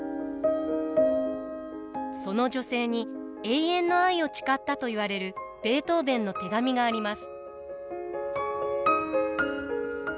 その女性に永遠の愛を誓ったといわれるベートーヴェンの手紙があります。